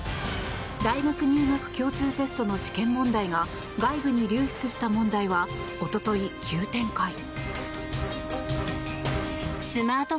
大学入学共通テストの試験問題が外部に流出した問題はおととい急展開。